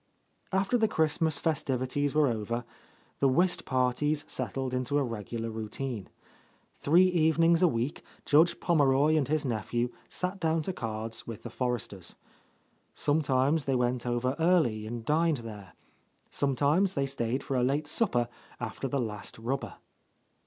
After the Christmas, festivities over, the whist parties settled into a regular routine. Three evenings a week Judge Pommeroy and his nephew sat down to cards with the Forresters. Sometimes they went over early and dined there. Sometimes they stayed for a late supper after the last rubber.